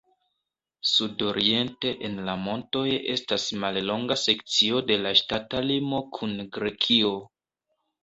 Sudoriente en la montoj estas mallonga sekcio de la ŝtata limo kun Grekio.